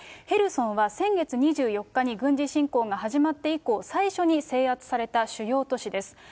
ヘルソンは先月２４日に軍事侵攻が始まって以降、最初に制圧された主要都市です。